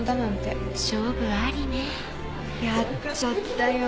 やっちゃったよ